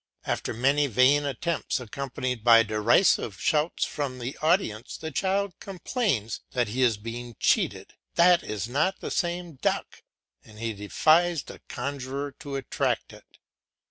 After many vain attempts accompanied by derisive shouts from the audience the child complains that he is being cheated, that is not the same duck, and he defies the conjuror to attract it.